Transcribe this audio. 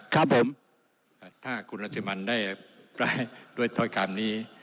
ครับผมถ้าคุณรัฐบาลได้ไปด้วยทอยคามนี้